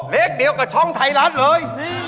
เลขเดียวกับช่องไทยรัฐเลย